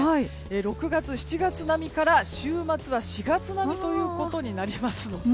６月、７月並みから週末は４月並みということになりますので。